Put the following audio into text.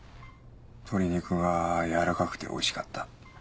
鶏肉がやわらかくておいしかった。